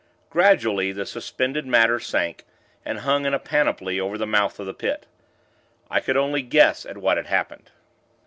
Gradually, the suspended matter sank, and hung in a panoply over the mouth of the Pit. I could only guess at what had happened.